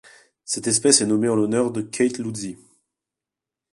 Cette espèce est nommée en l'honneur de Keith Luzzi.